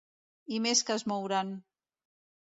I més que es mouran.